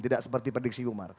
tidak seperti prediksi umar